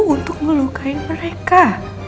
untuk melukai mereka